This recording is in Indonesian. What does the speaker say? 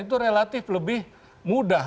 itu relatif lebih mudah